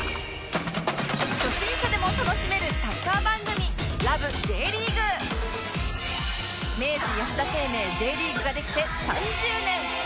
初心者でも楽しめるサッカー番組明治安田生命 Ｊ リーグができて３０年！